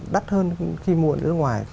đắt hơn khi mua ở nước ngoài